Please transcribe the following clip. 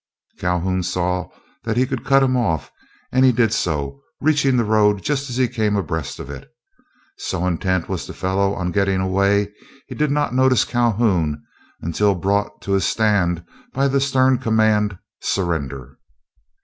Calhoun saw that he could cut him off, and he did so, reaching the road just as he came abreast of it. So intent was the fellow on getting away he did not notice Calhoun until brought to a stand by the stern command, "Surrender."